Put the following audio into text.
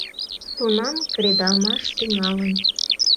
Тунам кредалмаш тӱҥалын.